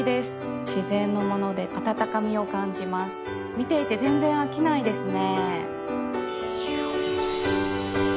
見ていて全然飽きないですね。